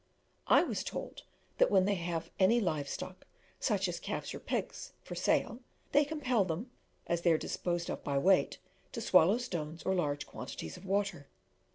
I was told that when they have any live stock, such as calves or pigs, for sale, they compel them, as they are disposed of by weight, to swallow stones or large quantities of water.